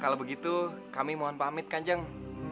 kalau begitu kami mohon pamit kan jeng